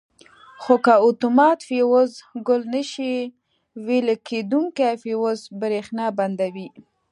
خو که اتومات فیوز ګل نه شي ویلې کېدونکي فیوز برېښنا بندوي.